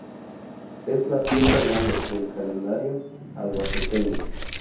Es la "fiesta grande" del calendario albaceteño.